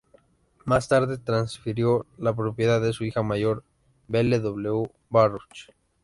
Más tarde transfirió la propiedad a su hija mayor, Belle W. Baruch.